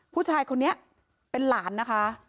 ผู้ชายคนนี้เป็นหลานนะคะ